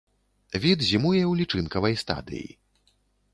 Від зімуе ў лічынкавай стадыі.